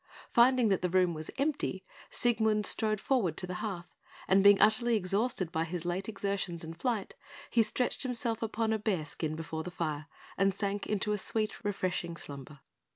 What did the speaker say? Finding that the room was empty, Siegmund strode forward to the hearth, and being utterly exhausted by his late exertions and flight, he stretched himself upon a bear skin before the fire, and sank into a sweet, refreshing slumber.